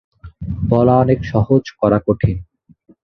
বলা অনেক সহজ করা কঠিন।